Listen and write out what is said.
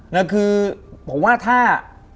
นะคือผมว่าถ้า